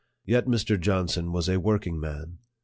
Yet Mr. Johnson was a working man.